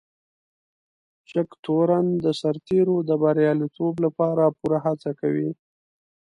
جګتورن د سرتیرو د بريالیتوب لپاره پوره هڅه کوي.